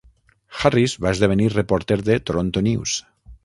Harris va esdevenir reporter de "Toronto News".